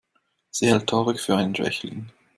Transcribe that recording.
Sie hält Tarek für einen Schwächling.